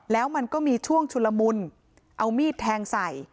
แล้วมันก็มีช่วงชุลมุนเอามีดแทงใส่